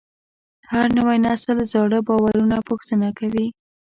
هر نوی نسل زاړه باورونه پوښتنه کوي.